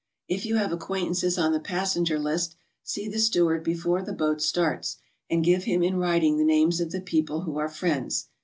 If you have acquaintances on the passenger list, see the steward before the boat starts and give him in writing the names of the people who are friends.